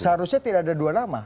seharusnya tidak ada dua nama